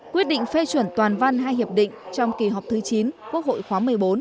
quyết định phê chuẩn toàn văn hai hiệp định trong kỳ họp thứ chín quốc hội khóa một mươi bốn